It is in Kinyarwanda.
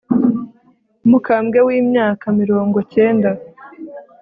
umukambwe w'imyaka mirongo cyenda